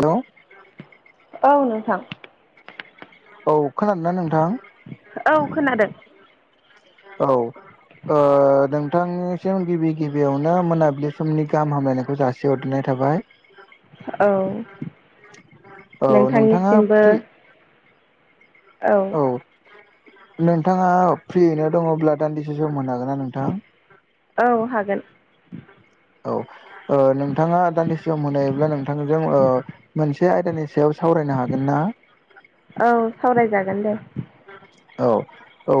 हेल' औ औ नोंथां। औ खोनादोंना नोंथां। औ खोनादों। औ। ओ नोंथांनिसिम गिबि गिबियावनो मोनाबिलि समनि गाहाम हामलायनायखौ जासि सि हरनाय थाबाय। औ औ नोंथाङा नोंथांनिसिमबो। फ्रि औ नोंथाङा फ्रियैनो दङब्ला दान्दिसे सम होनो हागोन ना नोंथां। औ हागोन। औ ओ नोंथाङा दान्दिसे सम होनो हायोब्ला नोंथांजों ओ मोनसे आयदानि सायाव सावरायनो हागोन ना। औ सावरायजागोन दे। औ। औ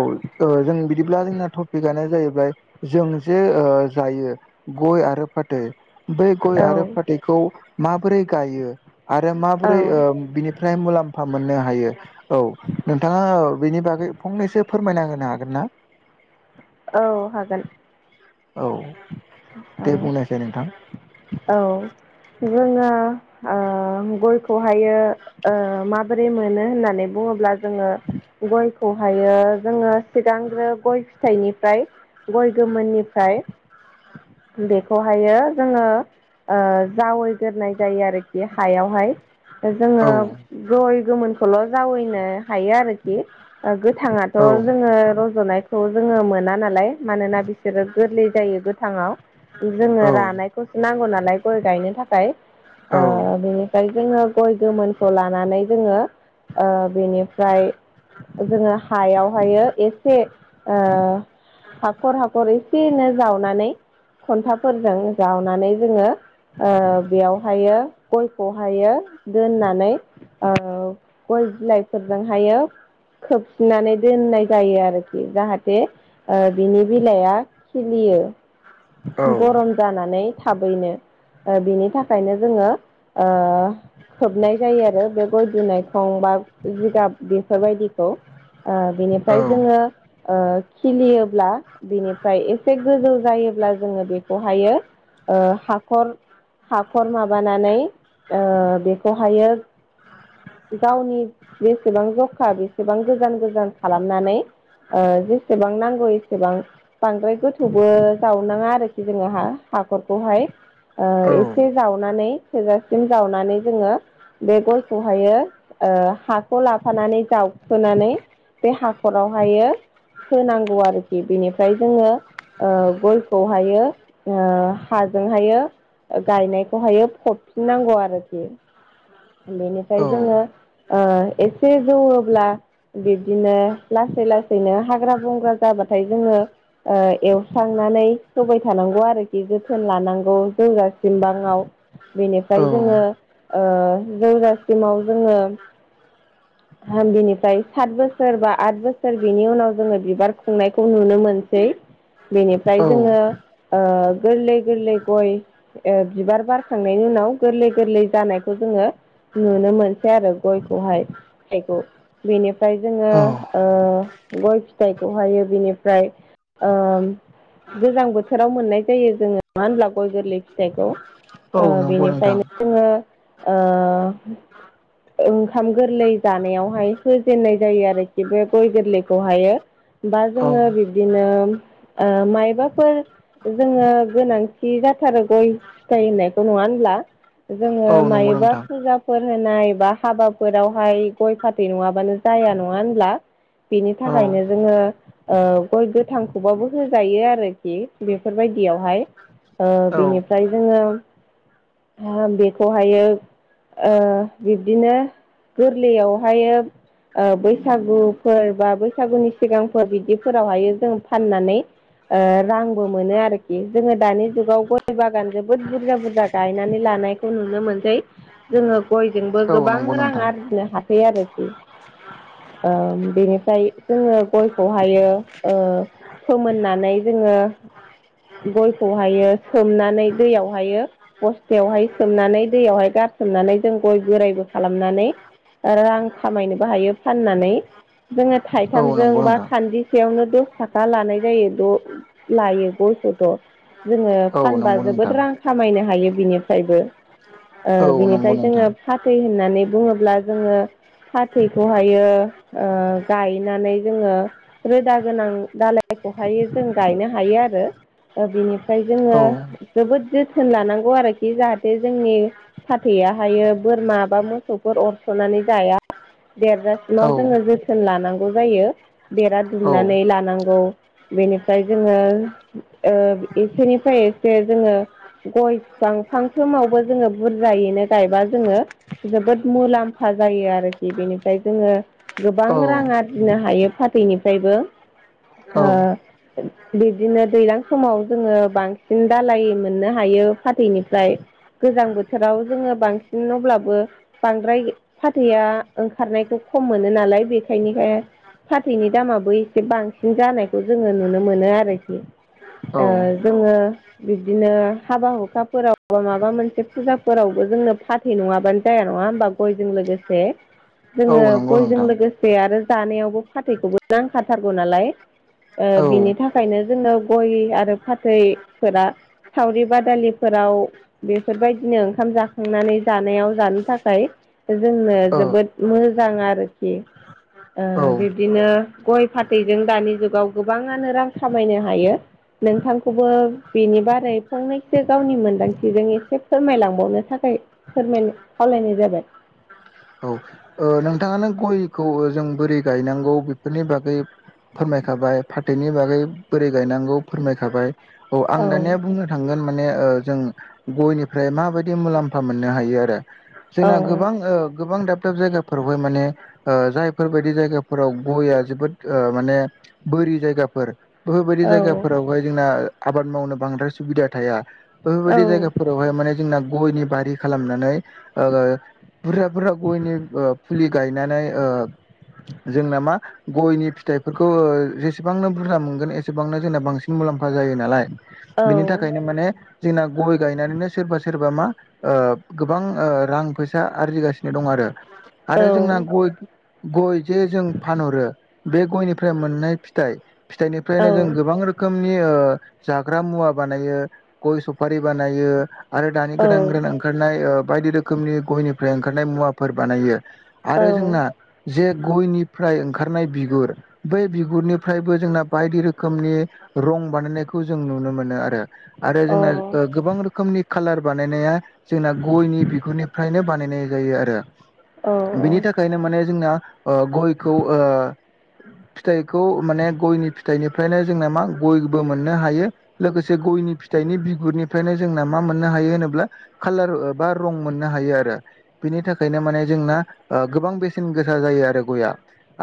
ओ जों बिदिब्ला जोंना टपिकआनो जाहैबाय जों जे ओ जायो गय आरो फाथै बै गय औ आरो फाथैखौ माबोरै गायो आरो औ माबोरै ओ बिनि फ्राय मुलाम्फा मोननो हायो औ नोंथाङा बेनि बागै फंनैसो फोरमायना होनो हागोन ना। औ हागोन। औ औ दे बुंनायसाय नोंथां। औ जोङो ओ गयखौहायो ओ मा बोरै मोनो होननानै बुङोब्ला जोङो गयखौहायो जोङो सिगांग्रो गय फिथाइनिफ्राय गय गोमोननिफ्राय बेखौहायो जोङो ओ जावैग्रोनाय जायो आरो बे हायावहाय जोङो औ गय गोमोनखौल' जावैनो हायो आरोखि। गोथाङाथ' औ जोङो रज'नाय खौ जोङो मोना नालाय मानोना बिसोरो गोरलै जायो गोथाङाव जोङो औ रानाय खौसो नांगौ नालाय गय गायनो थाखाय औ ओ बिनिफ्राय जोङो गय गोमोनखौ लानानै जोङो ओ बेनिफ्राय जोङो हायावहायो एसे ओ हाखर हाखर एसे नो जावनानै खन्थाफोरजों जावनानै जोङो ओ बेयावहायो गयखौहायो दोननानै ओ गय बिलाइफोरजोंहायो खोबसिननानै दोननाय जायो आरोखि जाहाथे ओ बिनि बिलाइआ खिलियो औ गरम जानानै थाबैनो ओ बिनि थाखायनो जोङो ओ खोबनाय जायो आरो बे गय दुनायखं बा जिगाब बेफोरबायदिखौ ओ औ बिनिफ्राय जोङो ओ खिलियोब्ला बिनिफ्राय एसे गोजौ जायोब्ला जोङो बेखौहायो ओ हाखर हाखर माबानानै ओ बेखौहायो गावनि जेसेबां जखा बेसेबां गोजान गोजान खालामनानै ओ जेसेबां नांगौ एसेबां बांद्राय गोथौ थौबो जावनाङा आरोखि जोङो हा हाखरखौहाय ओ एसे जावनानै थोजासिम जावनानै जोङो बे गयखौहायो ओ हाखौ लाफानानै जावखुनानै बे हाखरावहायो होनांगौ आरोखि बेनिफ्राय जोङो ओ गयखौहायो ओ हाजोंहायो गायनायखौहायो फबफिननांगौ आरोखि बेनिफ्राय औ जोङो ओ एसे जौवोब्ला बिब्दिनो लासै लासैनो हाग्रा बंग्रा जाबाथाय जोङो ओ एवस्रांनानै होबाय थानांगौ आरोखि जोथोन लानांगौ जौजासिमबाङाव बेनिफ्राय जोङो ओ जौजासिमाव जोङो नयस हा बिनिफ्राय सात बोसोर बा आद बोसोर बिनि उनाव जोङो बिबार खुंनायखौ नुनो मोनसै बेनिफ्राय औ जोङो ओ गोरलै गोरलै गय ओ बिबार बारखांनायनि उनाव गोरलै गोरलै जानायखौ जोङो नुनो मोनसै आरो गयखौहाय फिथाइखौ बेनिफ्राय जोङो औ ओ गय फिथाइखौहायो बिनिफ्राय ओ गोजां बोथोराव मोननाय जायो जोङो मानो होनब्ला गय गोरलै फिथाइखौ औ ओ नंगौ नोंथां बेनिफ्रायनो जोङो ओ ओंखाम गोरलै जानायावहाय होजेननाय जायो आरोखि बे गय गोरलैखौहायो बा औ जोङो बिब्दिनो ओ माइबाफोर जोङो गोनांथि जाथारो गय फिथाइ होननायखौ नङा होनब्ला जोङो औ नंगौ मायोबा नोंथां फुजाफोर होनाय बा हाबाफोरावहाय गय फाथै नङाबानो जाया नङा होनब्ला बेनि औ थाखायनो जोङो ओ गय गोथांखौबाबो होजायो आरोखि बेफोरबायदियावहाय ओ औ बिनिफ्राय जोङो ओ बेखौहायो ओ बिब्दिनो गोरलैयावहायो ओ बैसागुफोर बा बैसागुनि सिगांफोर बिदिफोरावहायो जों फाननानै ओ रांबो मोनो आरोखि जोङो दानि जुगाव गय बागान जोबोद बुरजा बुरजा गायनानै लानायखौ नुनो मोनसै जोङो गयजोंबो औ गोबां नंगौ रां नोंथां आरजिनो हासै आरखि [inaudible] ओं बेनिफ्राय जोङो गयखौहायो ओ फोमोननानै जोङो गयखौहायो सोमनानै दैयावहायो बस्थायावहाय सोमनानै दैयावहाय गारसोमनानै जों गय बोरायबो खालामनानै रां खामायनोबो हायो फाननानै जोङो औ थाइथामजों नंगौ बा नोंथां खान्दिसेयावनो दस थाखा लानाय जायो द लायो गयखौथ' जोङो औ फानबा नंगौ जोबोद नोंथां रां खामायनो हायो बिनिफ्रायबो ओ औ नंगौ बिनिफ्राय जोङो नोंथां फाथै होननानै बुङोब्ला जोङो फाथैखौहायो ओ गायनानै जोङो रोदा गोनां दालायखौहाय जों गायनो हायो आरो। ओ बिनिफ्राय जोङो औ जोबोद जोथोन लानांगौ आरोखि जाहाथे जोंनि फाथैया हायो बोरमा बा मोसौफोर अरस'नानै जाया देरजासिमाव औ जोङो जोथोन लानांगौ जायो बेरा औ दुमनानै लानांगौ बेनिफ्राय जोङो ओ एसेनिफ्राय एसे जोङो गय बां फांफ्रोमावबो जोङो बुरजायैनो गायबा जोङो जोबोद मुलाम्फा जायो आरोखि बेनिफ्राय जोङो गोबां रां आरजिनो हायो फाथैनिफ्रायबो औ ओ बिदिनो दैज्लां समाव जोङो बांसिन दालाय मोननो हायो। फाथैनिफ्राय गोजां बोथोराव जोङो बांसिन अब्लाबो बांद्राय फाथैया ओंखारनायखौ खम मोनो नालाय बेखायनोखाय फाथैनि दामाबो एसे बांसिन जानायखौ जोङो नुनो मोनो आरोखि औ ओ जोङो बिब्दिनो हाबा हु खाफोराव बा माबा मोनसे फुजाफोरावबो जोंनो फाथै नङाबानो जाया नङा होमबा गयजों लोगोसे औ जोङो नंगौ गयजों नोंथां लोगोसे आरो जानायावबो फाथैखौबो नांखाथारगौ नालाय ओ औ बिनि थाखायनो जोनो गय आरो फाथैफोरा सावरि बादालि फोराव बेफोरबायदिनो ओंखाम जाखांनानै जानायाव जानो थाखाय जोंनो जोबोद मोजां आरोखि ओ औ बिब्दिनो गय फाथैजों दानि जुगाव गोबाङानो रां खामायनो हायो नोंथांखौबो बेनि बारै फंनैसो गावनि मोनदांथिजों एसे फोरमायलांबावनो थाखाय फोरमाय खावलायनाय जाबाय औ ओ नोंथाङानो गयखौ जों बोरै गायनांगौ बेफोरनि बागै फोरमायखाबाय फाथैनि बागै बोरै गायनांगौ फोरमायखाबाय औ आं दानिया बुनो थांगोन माने ओ जों गयनिफ्राय माबायदि मुलाम्फा मोननो हायो आरो औ जोंना गोबां ओ गोबां दाब दाब जायगा फोरावहाय माने ओ जायफोरबायायदि जायगाफोराव गयया जोबोद माने बोरि जायगाफोर बेफोरबायादि औ जायगाफोरावहाय जोंना आबाद मावनो बांद्राय सुबिदा थाया औ बेफोरबायदि जायगाफोर रावहाय माने जोंना गयनि बारि खालामनानै ओ बुरजा बुरजा गयनि ओ फुलि गायनानै ओ जोंना मा गयनि फिथाइफोरखौ जेसेबांनो बुरजा मोनगोन एसेबांनो जोंना बांसिन मुलाम्फा जायो नालाय बिनि औ थाखायनो माने जोंना गय गायनानैनो सोरबा सोर बा मा ओ गोबां ओ रां फैसा आरजिगासिनो दं आरो। औ आरो जोंना गय गय जे जों फानहरो बे गयनिफ्राय मोननाय फिथाइ फिथाइनिफ्रायनो जों औ गोबां रो खोमनि ओ जाग्रा मुवा बानायो गय सफारि बानायो आरो दानि औ गोदान गोदान ओंखारनाय ओ बायदि रोखोमनि गयनिफ्राय ओंखारनाय मुवाफोर बानायो। आरो औ जोंना जे गयनिफ्राय ओंखारनाय बिगुर बै बिगुरनिफ्रायबो जोंना बायदि रोखोमनि रं बानायनायखौ जों नुनो मोनो आरो। आरो अ औ जोंना ओ गोबां रोखोमनि खाालार बानायनाया जोंना गयनि बिगुरनिफ्रायनो बानायनाय जायो आरो। औ बिनि थाखायनो माने जोंना ओ गयखौ ओ फिथाइखौ माने गयनि फिथाइनिफ्रायनो जोंना मा गयबो मोननो हायो। लोगोसे गयनि फिथाइनि बिगुरनिफ्रायनो जोंना मा मोननो हायो होनोब्ला खालार बा रं मोननो हायो आरो बिनि थाखायनो माने जों ना ओ गोबां बेसेन गोसा जायो आरो गया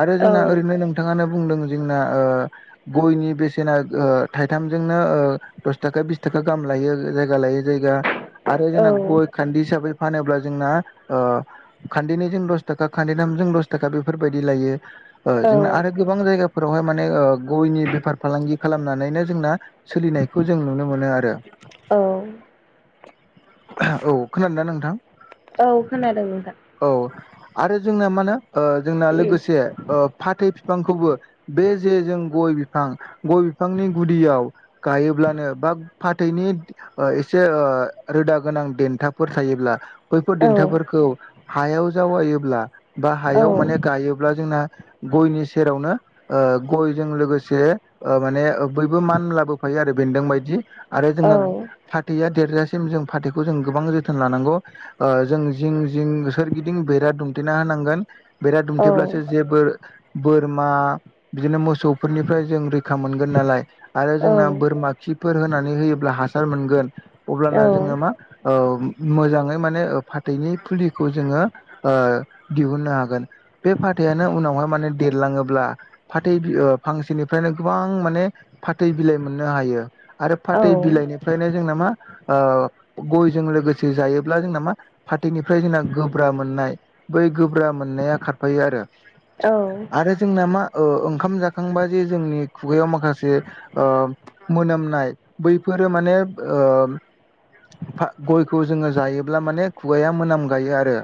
आरो जोंना ओैरैनो नोंथाङानो बुंदों जोंना ओ गयनि बेसेना ओ थाइथामजोंनो ओ दस थाखा बिस थाखा गाहाम लायो जायगा लायोय जायगा आरो औ जोंना गय खान्दि हिसाबै फानोब्ला जोंना ओ खान्दनैजों दस थाखा खान्दै नामजों दस थाखा बेफोरबायदि लायो ओ औ जोंना आरो गोबां जायगाफोरावहाय माने ओ गयनि बेफार फालांगि खालामनानैनो जोंना सोलिनायखौ जों नुनो मोनो आरो औ औ खोनादों ना नोंथां औ खोनादों नोंथां औ आरो जोंना मा होनो ओ जोंना लोगोसे फाथै बिफांखौबो बे जे जों गय बिफां गय बिफांनि गुदियाव गायोब्लानो बा फाथैनि ओ एसे ओ रोदा गोनां देन्थाफोर थायोब्ला बैफोर औ देन्थाफोरखौ हायाव जावायोब्ला बा औ हायाव माने गायोब्ला जोंना गयनि सेरावनो ओ गयजों लोगोसे ओ माने बयबो मान लाबोफायो आरो बेन्दों बायदि आरो औ जोंना फाथैया देरजासिम जों फाथैखौ जों गोबां जोथोन लानांगौ ओ जों जिं जिं सोरगिदिं बेरा दुमथेना होनांगोन बेरा औ दुमथेब्लासो जेबो बोर बोरमा बिदिनो मोसौफोरनिफ्राय जों रैखा मोनगोन नालाय। आरो जोंना बोरमा खिफोर होनानै होयोब्ला हासार मोनगोन अब्लाना औ जोङो मा औ मोजाङै माने फाथैनि फुलि खौ जोङो ओ दिहुननो हागोन बे फथायानो उनावहाय माने देरलाङोब्ला फाथै बि फांसेनिफ्रायनो गोबां माने फाथै बिलाइ मोननो हायो। आरो फाथै औ बिलाइनि बेफ्रायनो जोंनामा गयजों लोगोसे जायोब्ला जोंनामा फाथैनिफ्राय जोंना गोब्रा मोननाय बै गोब्रा मोननाया खारफायो आरो आरो जोंना मा ओ ओंखाम जाखांबा जे जोंनि खुगायाव माखासे ओ मोनोमनाय बैफोरो माने ओ फागयखौ जोङो जायोब्ला माने खुगाया मोनामो जायो आरो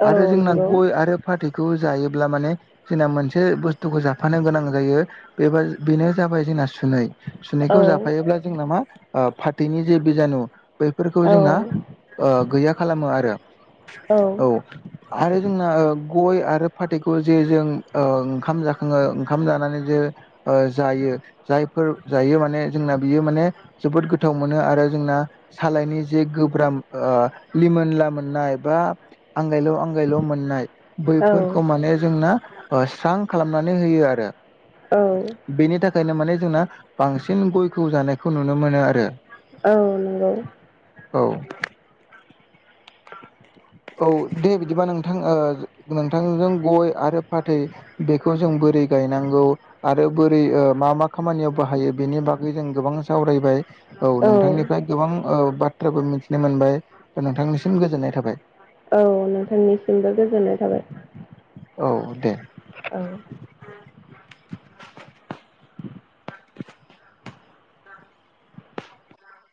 औ आरो जोंना नंगौ गय आरो फाथैखौ जायोब्ला माने जोंना मोनसे बुस्थुखौ जाफानो गोनां जायो बेबा बेनो जाबाय जोंना सुनै। औ औ सुनैखौ जाफायोब्ला जोंना मा ओ फाथैनि जे बिजानु बैफोरखौ औ जोंना ओ गैया खालामो आरो औ आरो जोंना ओ गय आरो फाथैखौ जे जों ओ ओंखाम जाखाङो ओंखाम जानानै जे ओ जायो जायफोर जायो माने जोंना बियो माने जोबोद गोथाव मोनो आरो जोंना सालायनि जे गोब्राब ओ लिमोनला मोननाय बा आंगायल' आंगायल' मोननाय औ बैफोरखौ माने जोंना स्रां खालामनानै होयो आरो औ बेनि थाखायनो माने जोंना बांसिन गयखौ जानायखौ नुनो मोनो आरो औ नंगौ औ औ दे बिदिबा नोंथां नोंथांजों गय आरो फाथै बेखौ जों बोरै गायनांगौ आरो बोरै मा मा खामानियाव बाहायो बेनि बागै जों गोबां सावरायबाय औ नोंथांनिफ्राय गोबां बाथ्राबो मिथिनो मोनबाय नोंथांनिसिम गोजोननाय थाबाय। औ नोंथांनिसिमबो गोजोननाय थाबाय औ दे। औ [inaudible]